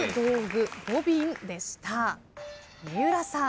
三浦さん。